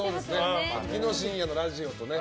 昨日深夜のラジオとね。